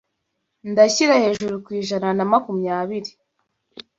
ndashyira hejuru kwijana na makumyabiri